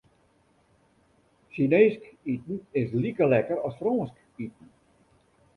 Sjineesk iten is like lekker as Frânsk iten.